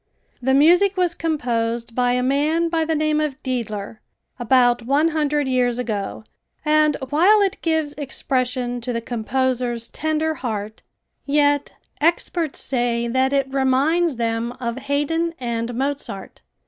The music was composed by a man by the name of Dedler, about one hundred years ago, and while it gives expression to the composer's tender heart, yet experts say that it reminds them of Hayden and Mozart.